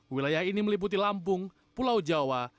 wilayah ini meliputi lampung pulau jawa